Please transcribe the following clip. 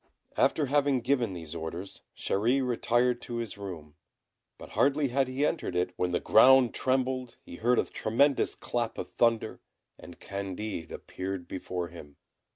After having given these orders, Chéri retired to his room; but hardly had he entered it, when the ground trembled, he heard a tremendous clap of thunder, and Candid appeared before him.